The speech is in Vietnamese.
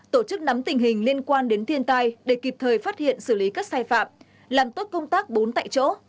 tổ chức nắm tình hình liên quan đến thiên tai để kịp thời phát hiện xử lý các sai phạm làm tốt công tác bốn tại chỗ